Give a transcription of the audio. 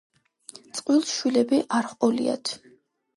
წყვილს შვილები არ ჰყოლიათ.